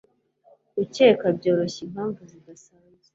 Gukeka byoroshye impamvu zidasanzwe